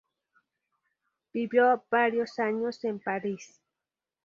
Vivió varios años en París.